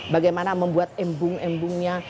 bagaimana membuat embung embungnya